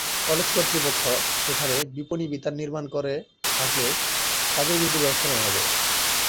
College কর্তৃপক্ষ সেখানে বিপণিবিতান নির্মাণ করে থাকলে তাদের বিরুদ্ধে ব্যবস্থা নেওয়া হবে।